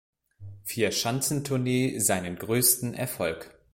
Vierschanzentournee seinen größten Erfolg.